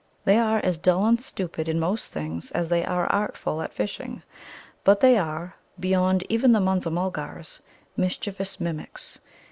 They are as dull and stupid in most things as they are artful at fishing. But they are, beyond even the Munza mulgars, mischievous mimics.